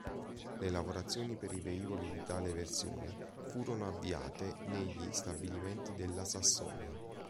Le lavorazioni per i velivoli di tale versione furono avviate negli stabilimenti della Sassonia.